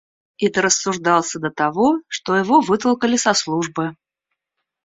И дорассуждался до того, что его вытолкали со службы.